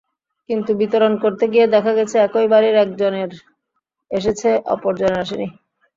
কিন্তু বিতরণ করতে গিয়ে দেখা গেছে একই বাড়ির একজনের এসেছে অপরজনের আসেনি।